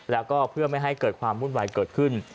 แล้วก็เพื่อไม่ให้เกิดความวุ่นวายเกิดขึ้น